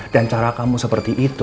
dan cara kamu seperti itu